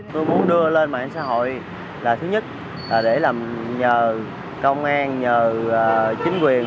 tôi muốn đưa lên mạng xã hội là thứ nhất để làm nhờ công an nhờ chính quyền